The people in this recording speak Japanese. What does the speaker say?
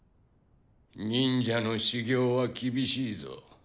忍者の修行は厳しいぞ。